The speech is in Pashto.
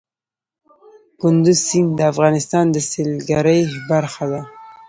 کندز سیند د افغانستان د سیلګرۍ برخه ده.